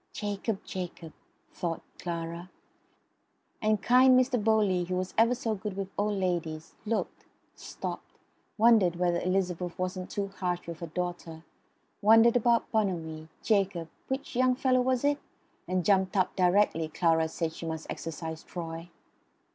"Jacob! Jacob!" thought Clara; and kind Mr. Bowley, who was ever so good with old ladies, looked; stopped; wondered whether Elizabeth wasn't too harsh with her daughter; wondered about Bonamy, Jacob which young fellow was it? and jumped up directly Clara said she must exercise Troy.